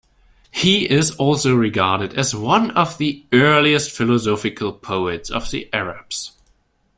He is also regarded as one of the earliest philosophical poets of the Arabs.